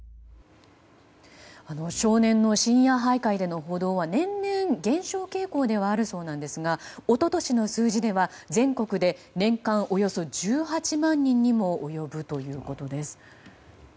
少年の深夜徘徊での補導は年々、減少傾向ではあるそうなんですが一昨年の数字では全国で年間およそ１８万人にも及ぶということです。